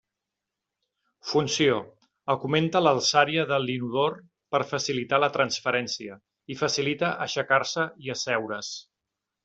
Funció: augmenta l'alçària de l'inodor per facilitar la transferència i facilita aixecar-se i asseure's.